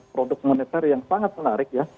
produk moneter yang sangat menarik ya